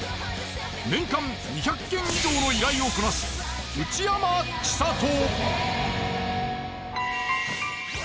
年間２００件以上の依頼をこなす内山千沙都。